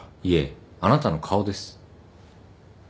いえあなたの顔です。